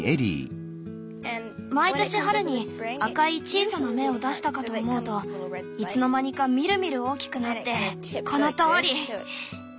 毎年春に赤い小さな芽を出したかと思うといつの間にかみるみる大きくなってこのとおり。